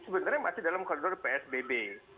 sebenarnya masih dalam koridor psbb